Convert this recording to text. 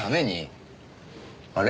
あれ？